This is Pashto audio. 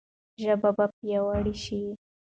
ژبه به پیاوړې شي.